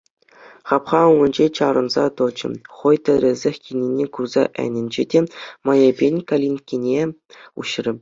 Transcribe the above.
Хапха умӗнче чарӑнса тӑчӗ, хӑй тӗрӗсех килнине курса ӗненчӗ те майӗпен калинккене уҫрӗ.